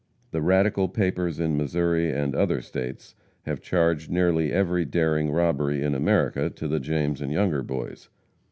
The radical papers in Missouri and other states have charged nearly every daring robbery in America to the James and Younger Boys.